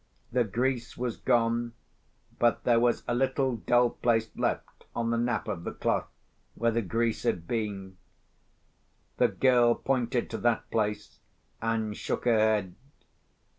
The grease was gone, but there was a little dull place left on the nap of the cloth where the grease had been. The girl pointed to that place, and shook her head.